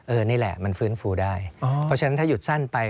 นี่แหละมันฟื้นฟูได้เพราะฉะนั้นถ้าหยุดสั้นไป